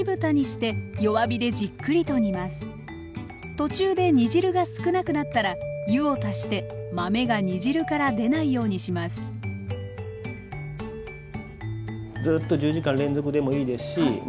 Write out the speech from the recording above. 途中で煮汁が少なくなったら湯を足して豆が煮汁から出ないようにしますずっと１０時間連続でもいいですしま